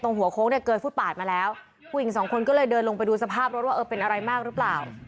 หัวโค้งเนี่ยเกยฟุตปาดมาแล้วผู้หญิงสองคนก็เลยเดินลงไปดูสภาพรถว่าเออเป็นอะไรมากหรือเปล่า